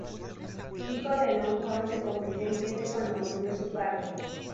Hijo de Lone Horn se convirtió en jefe cuando murió su padre.